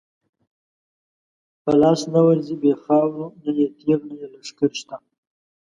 په لاس نه ورځی بی خاورو، نه یې تیغ نه یی لښکر شته